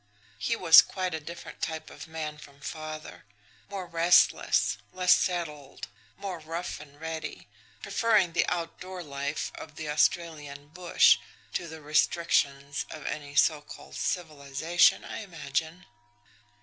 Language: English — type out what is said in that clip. He was quite a different type of man from father more restless, less settled, more rough and ready, preferring the outdoor life of the Australian bush to the restrictions of any so called civilisation, I imagine.